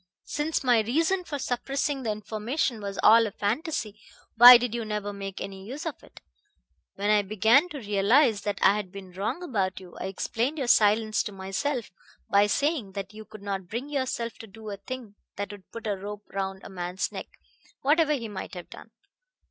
"Since my reason for suppressing that information was all a fantasy, why did you never make any use of it? When I began to realize that I had been wrong about you, I explained your silence to myself by saying that you could not bring yourself to do a thing that would put a rope round a man's neck, whatever he might have done.